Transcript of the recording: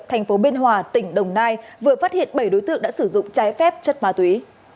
thành phố biên hòa tỉnh đồng nai vừa phát hiện bảy đối tượng đã sử dụng trái phép chất ma túy